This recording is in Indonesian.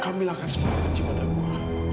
camilla akan semakin benci pada gue